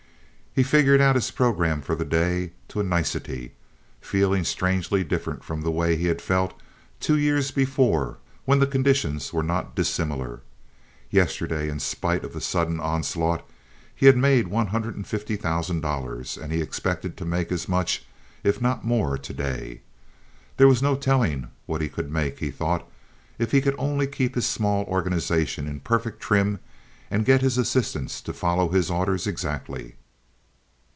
He figured out his program for the day to a nicety, feeling strangely different from the way he had felt two years before when the conditions were not dissimilar. Yesterday, in spite of the sudden onslaught, he had made one hundred and fifty thousand dollars, and he expected to make as much, if not more, to day. There was no telling what he could make, he thought, if he could only keep his small organization in perfect trim and get his assistants to follow his orders exactly.